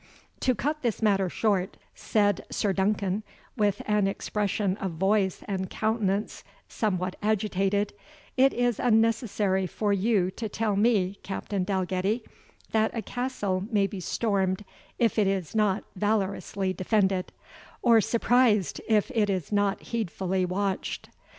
"To cut this matter short," said Sir Duncan, with an expression of voice and countenance somewhat agitated, "it is unnecessary for you to tell me, Captain Dalgetty, that a castle may be stormed if it is not valorously defended, or surprised if it is not heedfully watched.